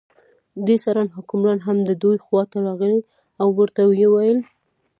دې سره حکمران هم د دوی خواته راغی او ورته یې وویل.